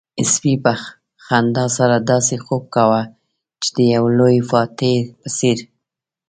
سپي په خندا سره داسې خوب کاوه چې د يو لوی فاتح په څېر.